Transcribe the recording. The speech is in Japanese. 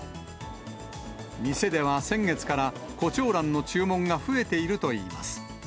店では先月から、コチョウランの注文が増えているといいます。